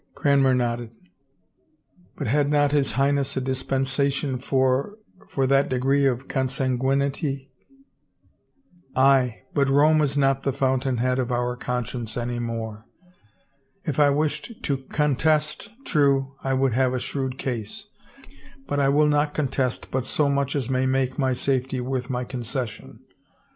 Cranmer nodded. " But had not his Highness a dis pensation for — for that degree of consanguinity ?"" Aye, but Rome is not the fountain head of our con science any more. If I wished to contest, true, I would have a shrewd case, but I will not contest but so much as may make my safety worth my concession.